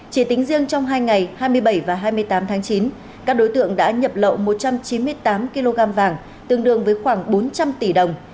chỉ tính riêng trong hai ngày hai mươi bảy và hai mươi tám tháng chín các đối tượng đã nhập lậu một trăm chín mươi tám kg vàng tương đương với khoảng bốn trăm linh tỷ đồng